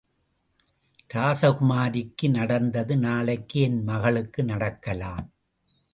ராசகுமாரிக்கு நடந்தது நாளைக்கு என் மகளுக்கு நடக்கலாம்.